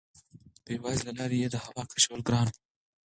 د پوزې له لارې یې د هوا کشول ګران وو.